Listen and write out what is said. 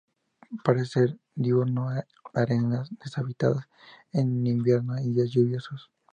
Parece ser diurno en áreas deshabitadas, en invierno y días lluviosos.